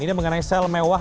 ini mengenai sel mewah